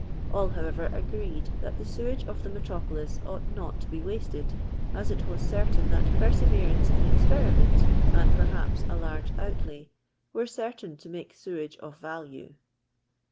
All, however, nprpi'd that the | sewage of lhi> niotropnils oiii^ht not to be wa ted, ■ as it was certain that perseverance in experiment (and perhaps a large outlay) were cerUiin to make sewage of value.